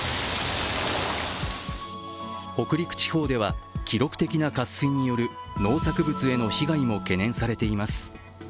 北陸地方では記録的な渇水による農作物への被害も懸念されています。